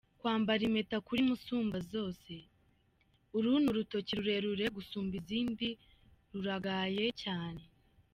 Kwambara impeta kuri musumbazose : Uru ni urutoki rurerure gusumba Izindi ruragaye cyane.